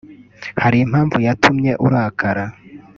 Hari impamvu yatumye urakara